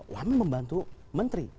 wamen membantu menteri